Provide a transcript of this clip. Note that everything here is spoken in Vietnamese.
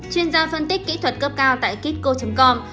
chuyên gia phân tích kỹ thuật cấp cao tại kitco com